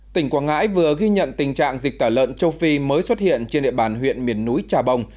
tỉnh quảng ngãi vừa ghi nhận tình trạng dịch tả lợn châu phi mới xuất hiện trên địa bàn huyện miền núi trà bông